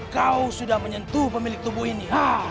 kau sudah menyentuh pemilik tubuh ini